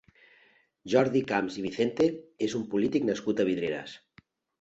Jordi Camps i Vicente és un polític nascut a Vidreres.